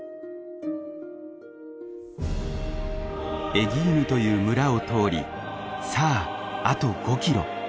エギーヌという村を通りさああと５キロ。